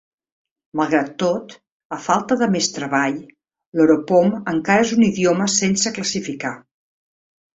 Malgrat tot, a falta de més treball, l'Oropom encara és un idioma sense classificar.